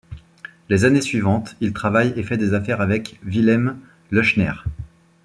Les années suivantes, il travaille et fait des affaires avec Wilhelm Leuschner.